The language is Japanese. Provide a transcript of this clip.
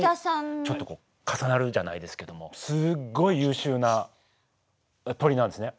ちょっとこう重なるじゃないですけどもすごい優秀な鳥なんですね。